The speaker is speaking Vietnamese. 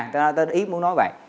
tôi ý muốn nói vậy